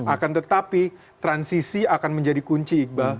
akan tetapi transisi akan menjadi kunci iqbal